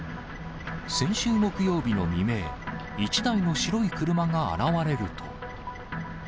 先週木曜日の未明、１台の白い車が現れると。